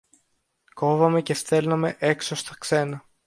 κόβαμε και στέλναμε έξω στα ξένα